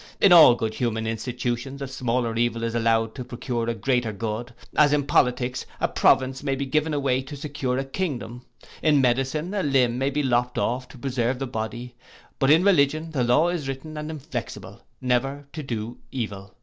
In all human institutions a smaller evil is allowed to procure a greater good; as in politics, a province may be given away to secure a kingdom; in medicine, a limb may be lopt off, to preserve the body. But in religion the law is written, and inflexible, never to do evil.